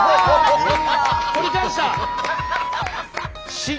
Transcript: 取り返した！